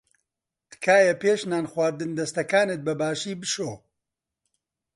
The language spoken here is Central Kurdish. تکایە پێش نان خواردن دەستەکانت بەباشی بشۆ.